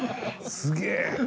すげえ。